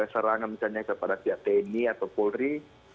serangan misalnya kepada pihak tni atau polri